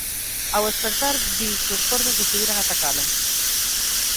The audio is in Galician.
Ao espertar vin que os corvos decidiran atacalo.